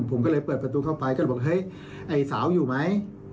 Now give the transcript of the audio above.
ผมก็เลยเปิดประตูเข้าไปก็เลยบอกเฮ้ยไอ้สาวอยู่ไหม